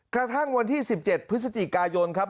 กระทั่งวันที่๑๗พฤศจิกายนครับ